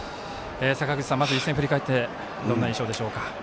まず１戦、振り返ってどんな印象でしょうか？